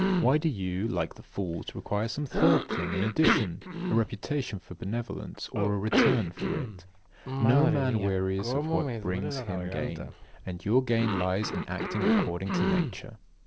Why do you, like the fools, require some third thing in addition a reputation for benevolence or a return for it. 74. No man wearies of what brings him gain, and your gain lies in acting according to nature.